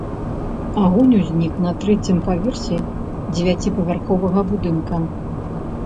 Агонь узнік на трэцім паверсе дзевяціпавярховага будынка.